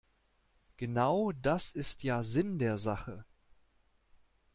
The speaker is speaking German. Genau das ist ja Sinn der Sache.